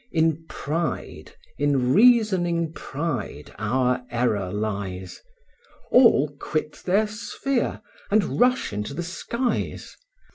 In pride, in reasoning pride, our error lies; All quit their sphere, and rush into the skies.